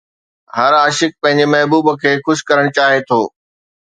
هر عاشق پنهنجي محبوب کي خوش ڪرڻ چاهي ٿو